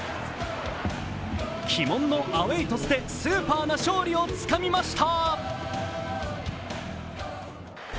鬼門のアウェー・鳥栖でスーパーな勝利をつかみました。